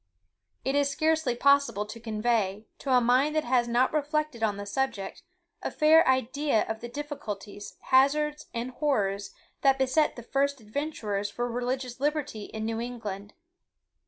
It is scarcely possible to convey, to a mind that has not reflected on the subject, a fair idea of the difficulties, hazards, and horrors, that beset the first adventurers for religious liberty in New England.